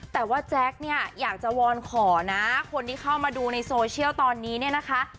แต่ว่าแจ๊คเนี่ยอยากจะวอนขอนะคนที่เข้ามาดูในโซเชียลตอนนี้เนี่ยนะคะ